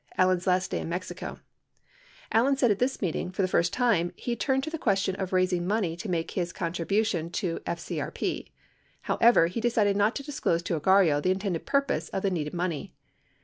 Allen said at this meeting, for the first time, he turned to the question of raising money to make his contribution to FCRP. However, he decided not to disclose to Ogarrio the intended purpose of the needed money.